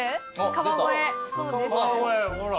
川越ほら。